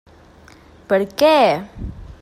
Per què?